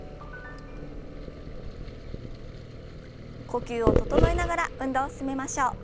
呼吸を整えながら運動を進めましょう。